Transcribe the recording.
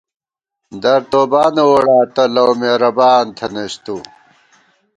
در توبانہ ووڑاتہ ، لؤ میرَبان تھنَئیس تُو